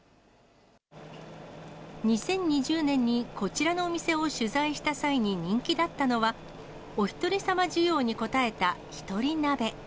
２０２０年にこちらのお店を取材した際に人気だったのは、おひとりさま需要に応えた一人鍋。